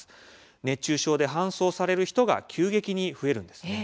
熱中症で搬送される人が急激に増えるんです。